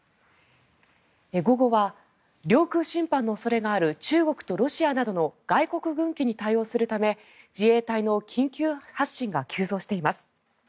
午後は領空侵犯の恐れがある中国とロシアなどの外国軍機に対応するため自衛隊の緊急発進が急増しています。